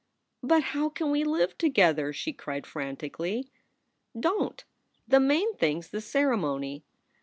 "But how can we live together?" she cried, frantically. "Don t. The main thing s the ceremony.